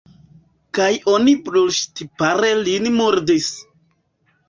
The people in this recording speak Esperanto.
Kaj oni brulŝtipare lin murdis.